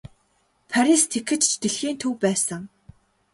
Парис тэгэхэд ч дэлхийн төв байсан.